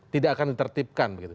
tidak akan ditertibkan begitu